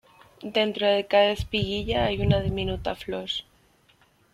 Dentro de cada espiguilla hay una diminuta flor.